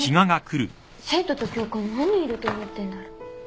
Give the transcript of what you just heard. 生徒と教官何人いると思ってんだろ。